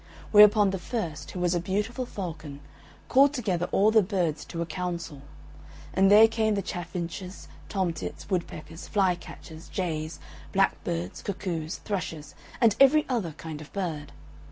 Whereupon the first, who was a beautiful Falcon, called together all the birds to a council; and there came the chaffinches, tomtits, woodpeckers, fly catchers, jays, blackbirds, cuckoos, thrushes, and every other kind of bird.